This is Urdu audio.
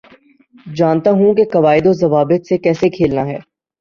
جانتا ہوں کے قوائد و ضوابط سے کیسے کھیلنا ہے